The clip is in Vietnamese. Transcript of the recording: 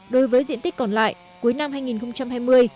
đối với diện tích còn lại cuối năm hai nghìn hai mươi